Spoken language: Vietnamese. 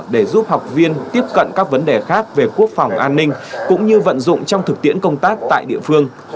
để giúp học viên tiếp cận các vấn đề khác về quốc phòng an ninh cũng như vận dụng trong thực tiễn công tác tại địa phương